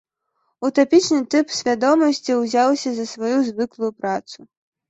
Утапічны тып свядомасці ўзяўся за сваю звыклую працу.